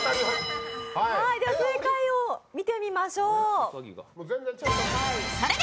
正解を見てみましょう。